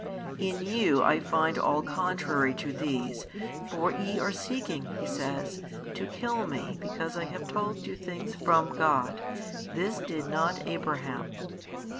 In you I find all contrary to these, for ye are seeking, He says, to kill Me because I have told you things from God, this did not Abraham.